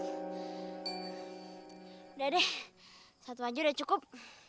udah deh satu aja udah cukup